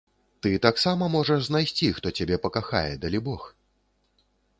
Ты таксама можаш знайсці, хто цябе пакахае, далібог.